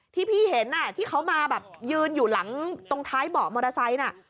ที่พี่เห็นที่เขามาแบบยืนอยู่หลังตรงท้ายเบาะมอเตอร์ไซค์น่ะ